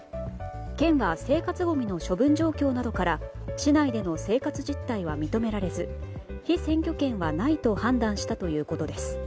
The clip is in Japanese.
県は生活ごみの処分状況などから市内での生活実態は認められず被選挙権はないと判断したということです。